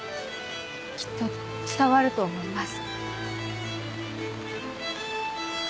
きっと伝わると思います。